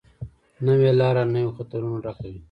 نوې لاره له نویو خطرونو ډکه وي